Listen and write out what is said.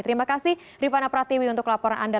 terima kasih rifana pratiwi untuk laporan anda